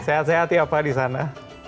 sehat sehat ya pak di sana